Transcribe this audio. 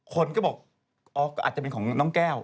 คนก็บอกอาจจะเป็นของน้องแก้ว